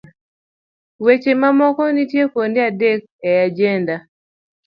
Weche mamoko nitie kuonde adek e ajenda